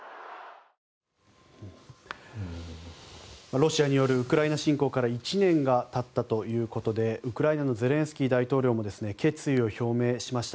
ロシアによるウクライナ侵攻から１年が経ったということでウクライナのゼレンスキー大統領も決意を表明しました。